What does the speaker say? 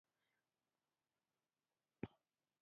د غنړې غږ هسې اوچت شو.